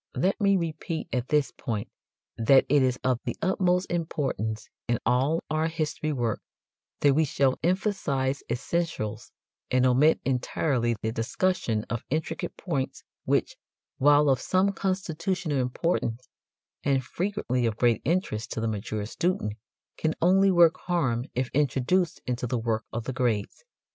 Let me repeat at this point that it is of the utmost importance in all our history work that we shall emphasize essentials and omit entirely the discussion of intricate points which, while of some constitutional importance, and frequently of great interest to the mature student, can only work harm if introduced into the work of the grades.